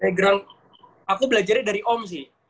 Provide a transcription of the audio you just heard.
program aku belajarnya dari om sih